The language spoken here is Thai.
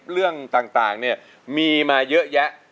เรื่องต่างเนี่ยมีมาเยอะแยะ